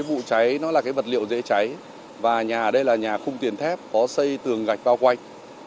đặc thù cái vụ cháy nó là cái vật liệu dễ cháy và nhà đây là nhà khung tiền thép có xây tường gạch bao quanh